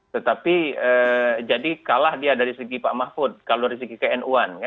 tetapi jadi kalah dia dari sisi pak mahfud kalau dari sisi ke nu an